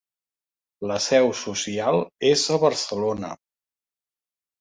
La seu social és a Barcelona.